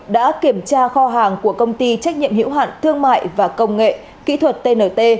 đã kiểm tra kho hàng của công ty trách nhiệm hiểu hạn thương mại và công nghệ kỹ thuật tnt